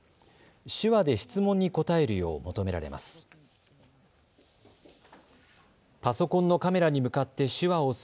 手話で質問に答えるよう求められます。